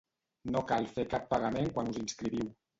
No cal fer cap pagament quan us inscriviu.